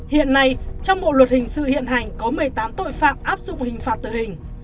hiện nay trong bộ luật hình sự hiện hành có một mươi tám tội phạm áp dụng hình phạt tử hình